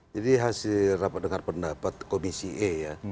jadi hasil rapat dengan pendapat komisi e